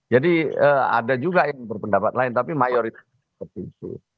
jadi ada juga yang berpendapat lain tapi mayoritas seperti itu